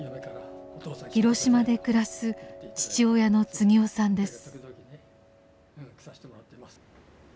広島で暮らす父親の次男さんです。